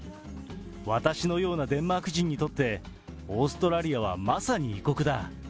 私のようなデンマーク人にとって、オーストラリアはまさに異国だ。